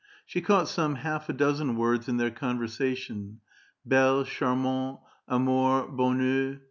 She caught some half a dozen words in their conversation, — belle^ charmante, amour, bonheur.